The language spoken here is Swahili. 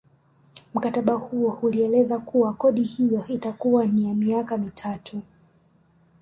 Mkataba huo ulieleza kuwa kodi hiyo itakuwa ni ya miaka mitatu